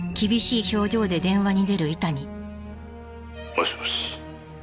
「もしもし」